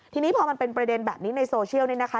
ทีนี้พอมันเป็นประเด็นแบบนี้ในโซเชียลนี่นะคะ